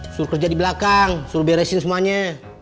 suruh kerja di belakang suruh beresin semuanya